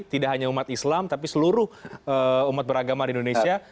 tidak hanya umat islam tapi seluruh umat beragama di indonesia